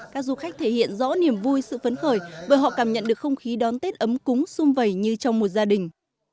các du khách thể hiện rõ niềm vui sự phấn khởi bởi họ cảm nhận được không khí đón tết ấm cúng xung vầy như trong một gia đình